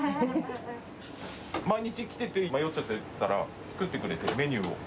毎日来てて、迷っちゃってたら、作ってくれて、メニューを。